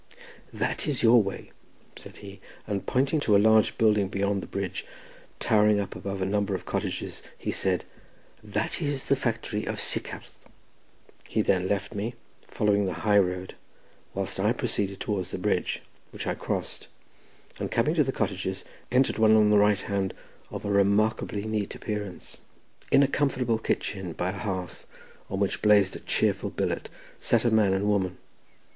"That is your way," said he, and pointing to a large building beyond the bridge, towering up above a number of cottages, he said, "that is the factory of Sycharth;" he then left me, following the high road, whilst I proceeded towards the bridge, which I crossed, and coming to the cottages, entered one on the right hand, of a remarkably neat appearance. In a comfortable kitchen, by a hearth on which blazed a cheerful billet, sat a man and woman.